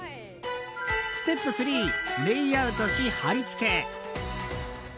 ステップ３レイアウトし貼り付け。